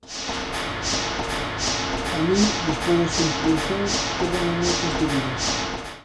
A min, despois da súa intervención, quédanme moitas dúbidas.